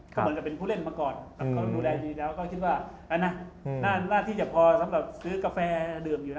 ก็เหมือนกับเป็นผู้เล่นมาก่อนแต่เขาดูแลดีแล้วก็คิดว่าน่าจะพอสำหรับซื้อกาแฟดื่มอยู่แล้ว